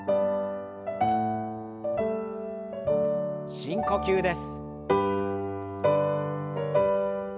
深呼吸です。